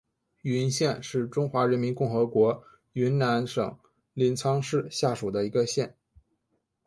云县是中华人民共和国云南省临沧市下属的一个县。